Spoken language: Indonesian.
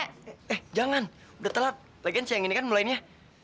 eh jangan udah telat lagian siang ini kan mulainya